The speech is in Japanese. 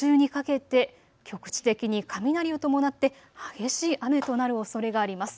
日中にかけて局地的に雷を伴って激しい雨となるおそれがあります。